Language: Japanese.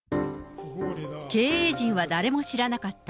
経営陣は誰も知らなかった。